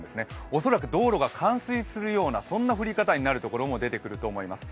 恐らく道路が冠水するような降り方をするところも出ると思います。